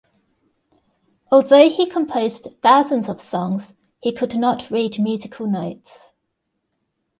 Although he composed thousands of songs, he could not read musical notes.